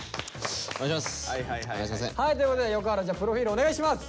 はいということで横原プロフィールお願いします。